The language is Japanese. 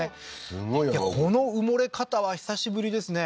すごい山奥この埋もれ方は久しぶりですね